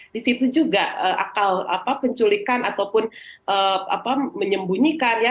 di situ juga akal penculikan ataupun menyembunyikan ya